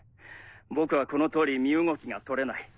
僕はこの通り身動きが取れない。